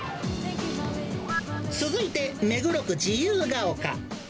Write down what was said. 続いて、目黒区自由が丘。